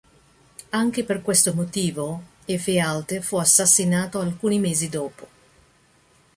Anche per questo motivo, Efialte fu assassinato alcuni mesi dopo.